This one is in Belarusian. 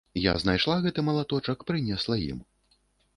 Я знайшла гэты малаточак, прынесла ім.